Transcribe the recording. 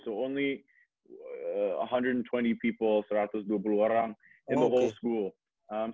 kemudian kelas kristian jadi hanya satu ratus dua puluh orang satu ratus dua puluh orang di sekolah